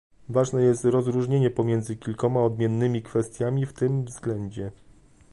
Ważne jest rozróżnienie pomiędzy kilkoma odmiennymi kwestiami w tym względzie